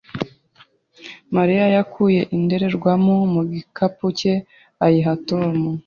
Mariya yakuye indorerwamo mu gikapu cye ayiha Tom.